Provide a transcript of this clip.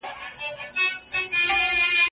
ما د ایپي فقیر اورغوي کي کتلې اشنا